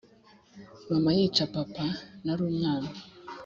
mama yica papa, narumwana